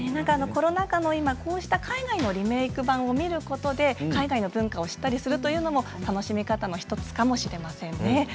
コロナ禍の中海外のリメーク版を見る中で海外の文化を知っていくのも楽しみの１つかもしれませんね。